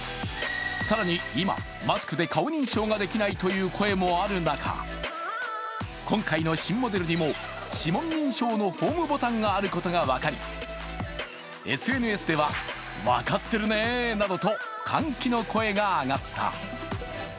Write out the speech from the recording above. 更に今、マスクで顔認証ができないという声もある中、今回の新モデルにも指紋認証のホームボタンがあることが分かりＳＮＳでは、わかってるねなどと歓喜の声が上がった。